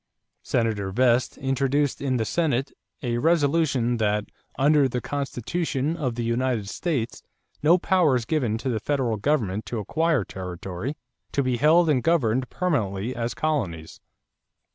Senator Vest introduced in the Senate a resolution that "under the Constitution of the United States, no power is given to the federal Government to acquire territory to be held and governed permanently as colonies."